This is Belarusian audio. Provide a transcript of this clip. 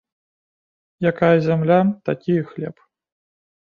Якая зямля ‒ такі і хлеб